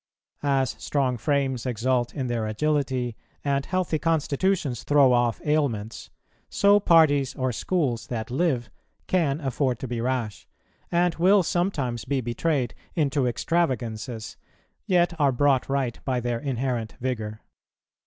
As strong frames exult in their agility, and healthy constitutions throw off ailments, so parties or schools that live can afford to be rash, and will sometimes be betrayed into extravagances, yet are brought right by their inherent vigour.